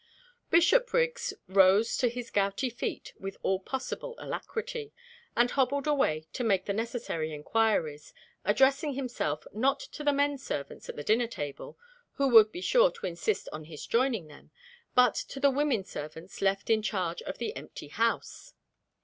Bishopriggs rose to his gouty feet with all possible alacrity, and hobbled away to make the necessary inquiries, addressing himself, not to the men servants at the dinner table, who would be sure to insist on his joining them, but to the women servants left in charge of the empty house.